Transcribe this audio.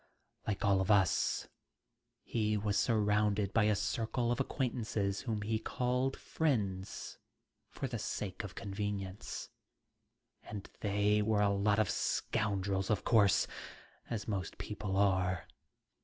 Like all of us, he was surrounded by a circle of acquaintances whom he called friends for the sake of convenience, and they were a lot of scoundrels, of course, as most people are.